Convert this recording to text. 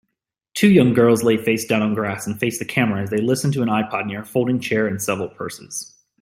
Two young girls lay face down on grass and face the camera as they listen to an iPod near a folding chair and several purses